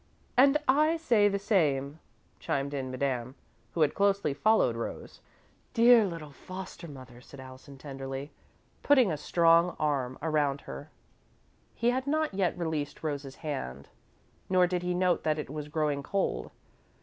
"And I say the same," chimed in Madame, who had closely followed Rose. "Dear little foster mother," said Allison, tenderly, putting a strong arm around her. He had not yet released Rose's hand, nor did he note that it was growing cold.